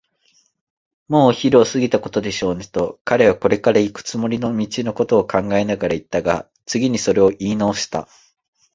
「もうお昼を過ぎたことでしょうね」と、彼はこれからいくつもりの道のことを考えながらいったが、次にそれをいいなおした。